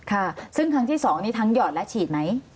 ค่ะซึ่งครั้งที่๒นี้ทั้งหยอดและฉีดไหม